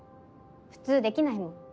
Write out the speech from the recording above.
普通できないもん。